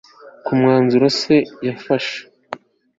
kumwanzuro se yafashe